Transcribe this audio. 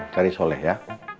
cari soleh ya